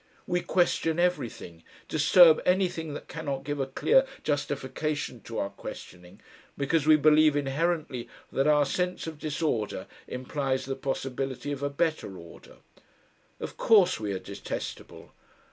We question everything, disturb anything that cannot give a clear justification to our questioning, because we believe inherently that our sense of disorder implies the possibility of a better order. Of course we are detestable.